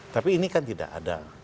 tapi ini kan tidak ada